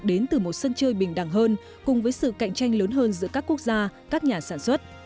đến từ một sân chơi bình đẳng hơn cùng với sự cạnh tranh lớn hơn giữa các quốc gia các nhà sản xuất